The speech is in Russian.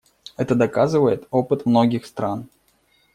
Это доказывает опыт многих стран.